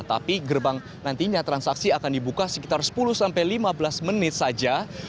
tapi gerbang nantinya transaksi akan dibuka sekitar sepuluh sampai lima belas menit saja